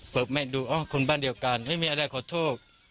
เปิ้ลแม่งดูคนบ้านเดียวกันไม่มีอะไรคอโทษ